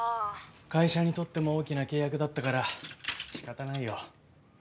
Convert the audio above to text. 会社にとっても大きな契約だったから仕方ないよ。